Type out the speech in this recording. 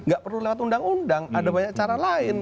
gak perlu lewat undang undang ada banyak cara lain